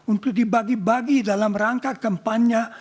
untuk dibagi bagi dalam rangka kampanye